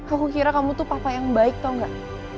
aku kira kamu tuh papa yang baik tau gak